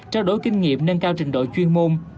trao đổi kinh nghiệm nâng cao trình độ chuyên môn